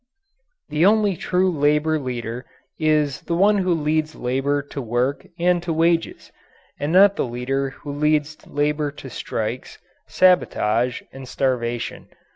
The only true labour leader is the one who leads labour to work and to wages, and not the leader who leads labour to strikes, sabotage, and starvation.